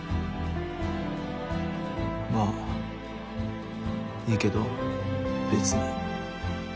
まあいいけどべつに。